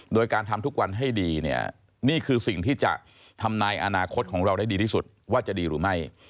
โดยการทำทุกวันให้ดีเนี่ยนี่คือสิ่งที่จะทำนายอนาคตของเราได้ดีที่สุดว่าจะดีหรือไม่